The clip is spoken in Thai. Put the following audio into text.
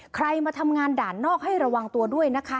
ใครมาทำงานด่านนอกให้ระวังตัวด้วยนะคะ